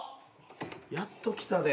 やっと来たで。